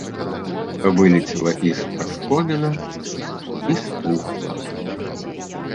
Вылецела іскра з коміна і стухла.